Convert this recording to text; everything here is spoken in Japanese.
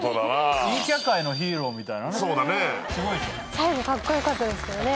最後カッコ良かったですけどね。